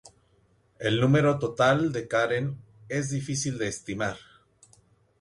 El número total de Karen es difícil de estimar.